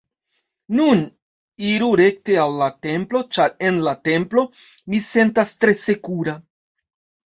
Nun, iru rekte al la templo, ĉar en la templo, mi sentas tre sekura.